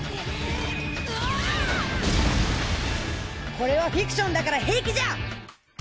これはフィクションだから平気じゃ！